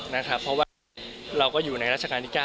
เพราะว่าเราก็อยู่ในราชการที่๙